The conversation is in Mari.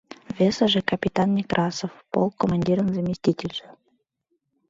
Весыже — капитан Некрасов, полк командирын заместительже.